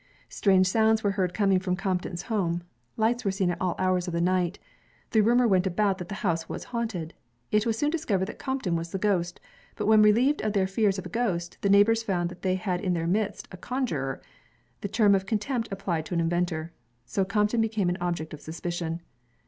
Strange sounds were heard coming from Crompton's home. Lights were seen at all hours of the night. The rumor went about that the house was haunted. It was soon discovered that Crompton was the ghost. But when relieved of their fears of a ghost, the neighbors found that they had in their midst a conjuror, '' the term of contempt applied to an inventor. So Crompton became an object of suspicion.